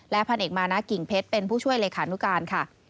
พันเอกมานะกิ่งเพชรเป็นผู้ช่วยเลขานุการค่ะ